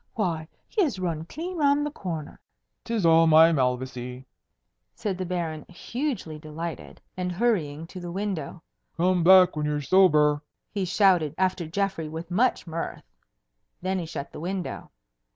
Why, he has run clean round the corner." "'Tis all my Malvoisie," said the Baron, hugely delighted, and hurrying to the window. "Come back when you're sober!" he shouted after Geoffrey with much mirth. Then he shut the window.